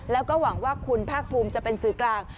แล้วก็หวังว่าคุณภาคภูมิจะเป็นสื่อกลาง